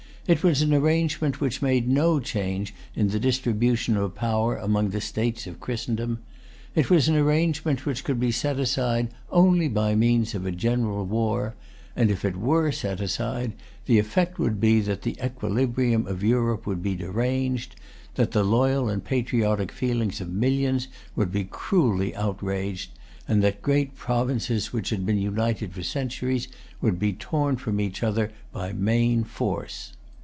It was an arrangement which made no change in the distribution of power among the states of Christendom. It was an arrangement which could be set aside only by means of a general war; and, if it were set aside, the effect would be that the equilibrium of Europe would be deranged, that the loyal and patriotic feelings of millions would be cruelly outraged, and that great provinces which had been united for centuries would be torn from each other by main force.